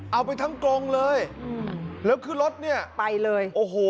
เอาไปทั้งกรงเลยอืมแล้วขึ้นรถเนี่ยไปเลยโอ้โห